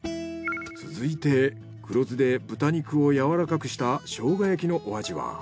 続いて黒酢で豚肉をやわらかくしたショウガ焼きのお味は？